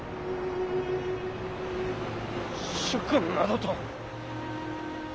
主君などと。